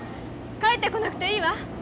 帰ってこなくていいわ。